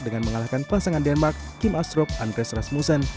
dengan mengalahkan pasangan denmark kim astrup andres rasmussen